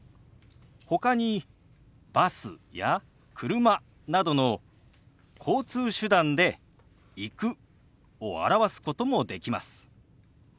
ほかにバスや車などの交通手段で「行く」を表すこともできます。